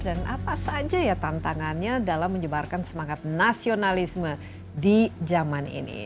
dan apa saja tantangannya dalam menyebarkan semangat nasionalisme di zaman ini